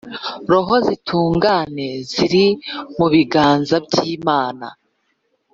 Roho z’intungane ziri mu biganza by’Imana,